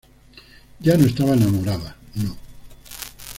yo no estaba enamorada. no.